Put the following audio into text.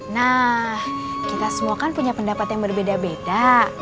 nah kita semua kan punya pendapat yang berbeda beda